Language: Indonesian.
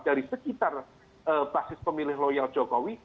dari sekitar basis pemilih loyal jokowi